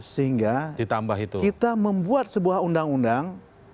sehingga kita membuat sebuah undang undang